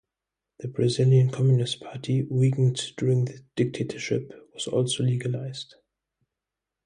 The Brazilian Communist Party, weakened during the dictatorship, was also legalised.